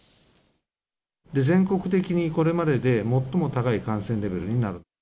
全国的にこれまでで最も高い感染レベルになる。